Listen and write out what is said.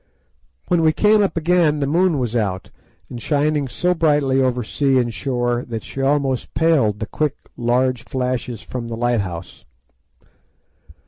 When we came up again the moon was out, and shining so brightly over sea and shore that she almost paled the quick, large flashes from the lighthouse.